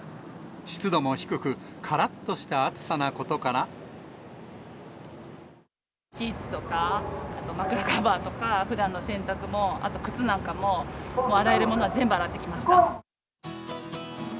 湿度も低く、シーツとか、あと枕カバーとか、ふだんの洗濯も、あと靴なんかも、洗えるものは全部洗ってきました。